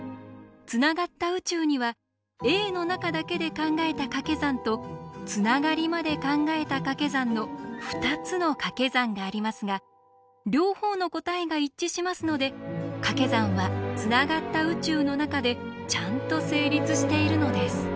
つながった宇宙にはＡの中だけで考えたかけ算とつながりまで考えたかけ算の２つのかけ算がありますが両方の答えが一致しますのでかけ算はつながった宇宙の中でちゃんと成立しているのです。